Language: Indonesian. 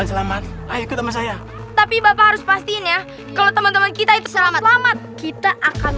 selamat tapi bapak harus pastinya kalau teman teman kita itu selamat kita akan